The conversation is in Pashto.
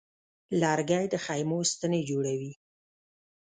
لرګی د خیمو ستنې جوړوي.